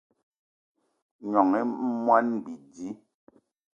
Gnong i moni bidi